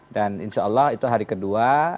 dan insya allah itu hari kedua